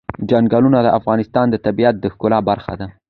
چنګلونه د افغانستان د طبیعت د ښکلا برخه ده.